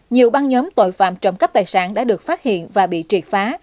nhiều băng nhóm tội phạm trộm cắp tài sản đã được phát hiện và bị triệt phá